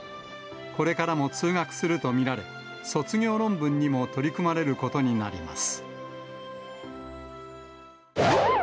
これからも通学すると見られ、卒業論文にも取り組まれることになります。